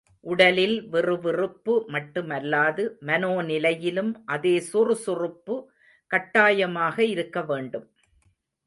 உடலில் விறுவிறுப்பு மட்டுமல்லாது, மனோ நிலையிலும் அதே சுறுசுறுப்பு கட்டாயமாக இருக்க வேண்டும்.